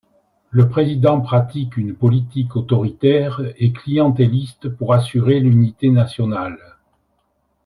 Le président pratique une politique autoritaire et clientéliste pour assurer l'unité nationale.